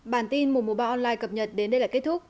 bản tin mùa mùa ba online cập nhật đến đây là kết thúc